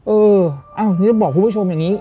เออนี่จะบอกคุณผู้ชมอย่างนี้